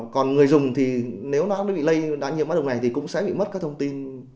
còn người dùng thì nếu nó bị lây đá nhiễm bắt đầu này thì cũng sẽ bị mất các thông tin